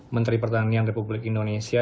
menteri pertanian republik indonesia